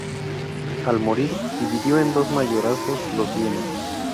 Al morir, dividió en dos mayorazgos los bienes.